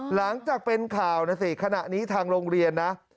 หลังจากเป็นข่าวนะสิขณะนี้ทางโรงเรียนนะ